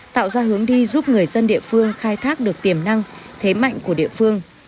tạo ra hướng đi giúp người dân địa phương khai thác được tiềm năng thế mạnh của địa phương